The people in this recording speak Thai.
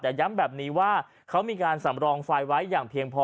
แต่ย้ำแบบนี้ว่าเขามีการสำรองไฟไว้อย่างเพียงพอ